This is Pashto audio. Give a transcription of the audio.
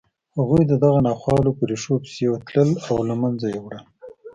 هغوی د دغو ناخوالو په ریښو پسې تلل او له منځه یې وړل